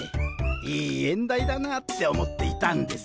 いい縁台だなあって思っていたんです。